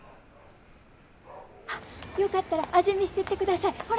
あっよかったら味見してってください。